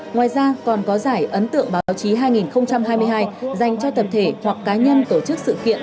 ngoài ra còn có giải ấn tượng báo chí hai nghìn hai mươi hai dành cho tập thể hoặc cá nhân tổ chức sự kiện